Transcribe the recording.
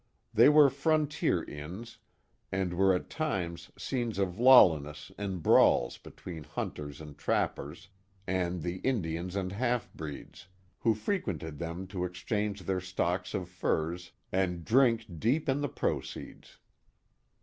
They were frontier inns and were at times scenes of lawlessness and brawls between hunters and trappers, and the Indians and half breeds, who frequented them to exchange their stock of furs and drink deep in the proceeds.